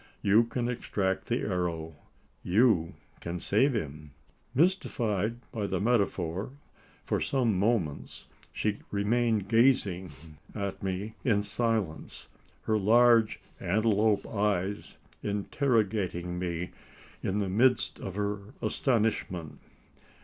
You can extract the arrow you can save him!" Mystified by the metaphor, for some moments she remained gazing at me in silence her large antelope eyes interrogating me in the midst of her astonishment.